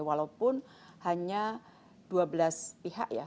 walaupun hanya dua belas pihak ya